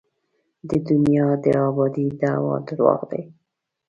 د دنیا د ابادۍ دعوې درواغ دي.